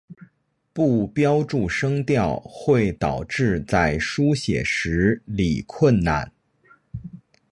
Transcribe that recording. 不标注声调会导致在书写时理困难。